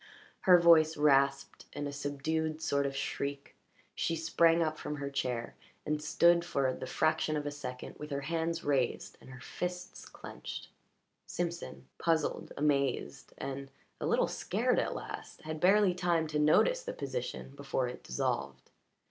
Her voice rasped in a subdued sort of a shriek; she sprang up from her chair, and stood for the fraction of a second with her hands raised and her fists clinched. Simpson, puzzled, amazed, and a little scared at last, had barely time to notice the position before it dissolved.